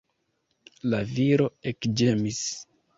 La viro ekĝemis.